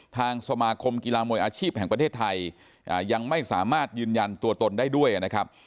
ทางสมาคมกีฬามวยอาชีพแห่งประเทศไทยยังไม่สามารถยืนยันตัวตนได้ด้วยนะครับ